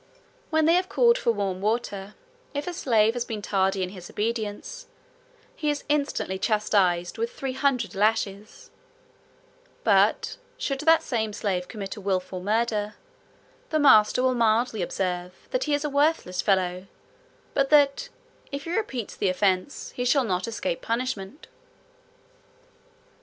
When they have called for warm water, if a slave has been tardy in his obedience, he is instantly chastised with three hundred lashes: but should the same slave commit a wilful murder, the master will mildly observe, that he is a worthless fellow; but that, if he repeats the offence, he shall not escape punishment.